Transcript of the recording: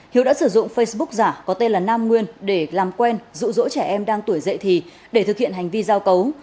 hiếu đã sử dụng facebook giả có tên là nam nguyên để làm quen rụ rỗ trẻ em đang tuổi dậy thì để thực hiện hành vi giao cấu